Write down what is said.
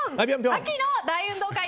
秋の大運動会！